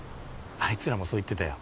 あいつらもそう言ってたよ